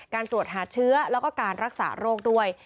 การตรวจหาเชื้อแล้วก็การรักษาโรคด้วย